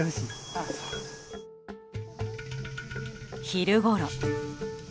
昼ごろ。